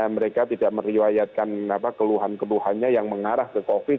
mereka tidak meriwayatkan keluhan keluhannya yang mengarah ke covid